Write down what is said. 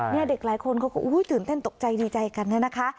เนี่ยเด็กหลายคนเขาก็อุ้ยตื่นเต้นตกใจดีใจกันเนี่ยนะคะ